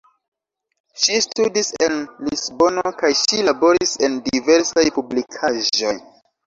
Ŝi studis en Lisbono kaj ŝi laboris en diversaj publikaĵoj.